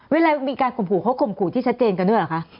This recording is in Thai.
เวลามีการข่มขู่เขาข่มขู่ที่ชัดเจนกันด้วยเหรอคะ